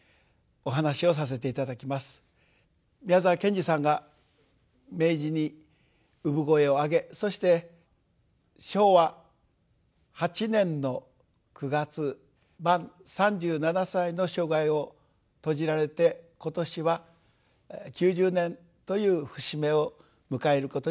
宮沢賢治さんが明治に産声を上げそして昭和８年の９月満３７歳の生涯を閉じられて今年は９０年という節目を迎えることになります。